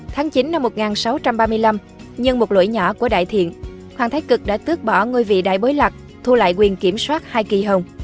tháng chín năm một nghìn sáu trăm ba mươi năm nhân một lỗi nhỏ của đại thiện hoàng thái cực đã tước bỏ ngôi vị đại bối lạc thu lại quyền kiểm soát hai kỳ hồng